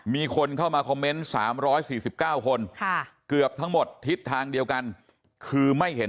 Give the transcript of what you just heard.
มีคนเข้ามาคอมเมนต์๓๔๙คนเกือบทั้งหมดทิศทางเดียวกันคือไม่เห็น